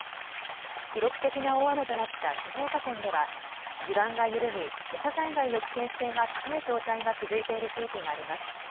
記録的な大雨となった静岡県では地盤が緩み土砂災害の危険性が高い状態が続いている地域があります。